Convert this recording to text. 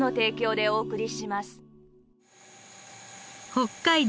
北海道